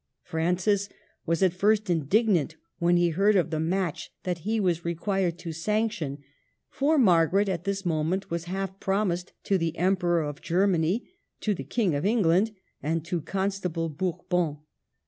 Francis was at first: indignant when he. heard of the match that he was required to sanction ; for Margaret, at this moment, was half promised to the Emperor of Germany, to the King of England, and to Constable Bourbon.